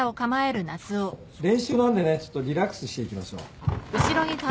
練習なんでねちょっとリラックスしていきましょう。